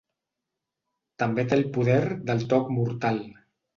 També té el poder del toc mortal.